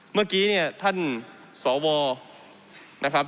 เมื่อกี้เนี่ยท่านสวนะครับ